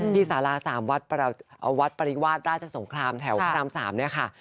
ที่สารา๓วัดวัดปริวาสราชสงครามแถว๓๓นะคะ